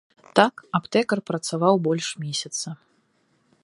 Так аптэкар працаваў больш месяца.